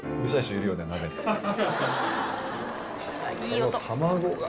この卵が。